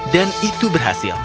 dan itu berhasil